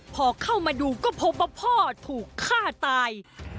พอเข้ามาดูก็พบว่าพ่อถูกฆ่าตาย